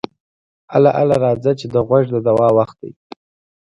اله اله راځه چې د غوږ د دوا وخت دی.